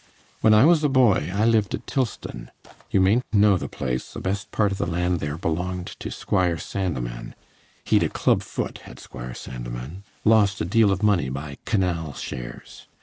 When I was a boy I lived at Tilston; you mayn't know the place; the best part o' the land there belonged to Squire Sandeman; he'd a club foot, had Squire Sandeman lost a deal o' money by canal shares.